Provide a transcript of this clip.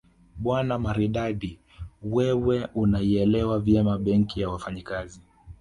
Bwana Maridadi wewe unaielewa vyema Benki ya Wafanyakazi